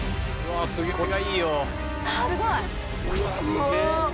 あすごい。